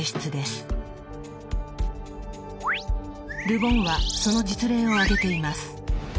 ル・ボンはその実例を挙げています。